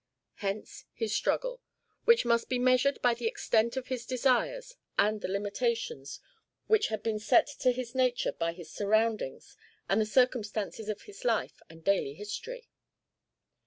Hence his struggle, which must be measured by the extent of his desires and the limitations which had been set to his nature by his surroundings and the circumstances of his life and daily history.